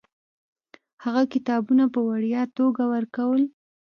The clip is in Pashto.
هغه کتابونه په وړیا توګه ورکول.